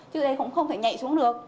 chứ đây cũng không thể nhạy xuống được